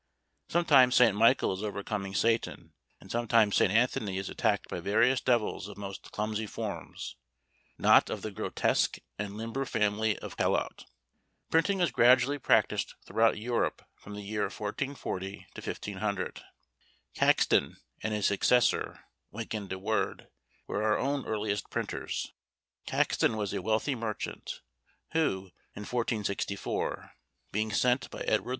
Sometimes St. Michael is overcoming Satan; and sometimes St. Anthony is attacked by various devils of most clumsy forms not of the grotesque and limber family of Callot! Printing was gradually practised throughout Europe from the year 1440 to 1500. Caxton and his successor Wynkyn de Worde were our own earliest printers. Caxton was a wealthy merchant, who, in 1464, being sent by Edward IV.